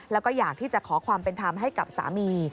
แล้วก็อยากที่จะขอความเป็นธรรมให้กับสามี